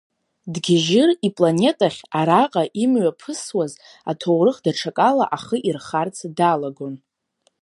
Дгьежьыр ипланетахь, араҟа имҩаԥысуаз аҭоурых даҽакала ахы ирхарц далагон.